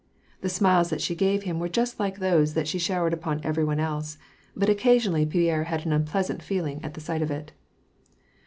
The smiles that she gave him were just like those that she showered upon everybody else, but occasionally Pierre had an unpleasant feeling at the sight of it.